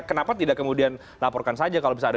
kenapa tidak kemudian laporkan saja kalau bisa ada